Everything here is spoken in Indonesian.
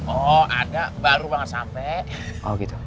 oh ada baru banget sam christmas